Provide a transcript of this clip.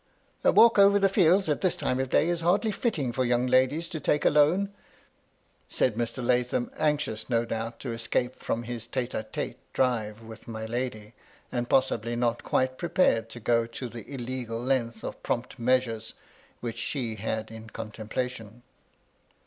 " A walk over the fields at this time of day is hardly fitting for young ladies to take alone," said Mr. Lathom, anxious no doubt to escape from his tete a tete drive with my lady, and possibly not quite pre pared to go to the illegal length of prompt measures, which she had in contemplation.